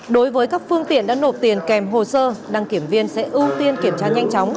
đối với các phương tiện đã nộp tiền kèm hồ sơ đăng kiểm viên sẽ ưu tiên kiểm tra nhanh chóng